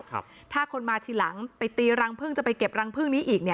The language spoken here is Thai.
ถ้าคนมาทีหลังไปตีรังพึ่งจะไปเก็บรังพึ่งนี้อีกเนี่ย